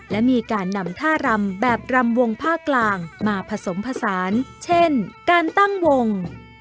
และมีการนำท่ารำแบบรำวงภาคกลางมาผสมผสานเช่นการตั้งวง